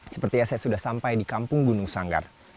sepertinya saya sudah sampai di kampung gunung sanggar